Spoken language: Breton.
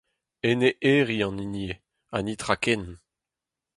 Ene Herri an hini eo, ha netra ken.